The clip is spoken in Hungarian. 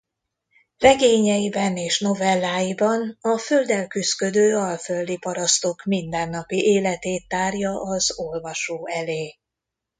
Regényeiben és novelláiban a földdel küszködő alföldi parasztok mindennapi életét tárja az olvasó elé.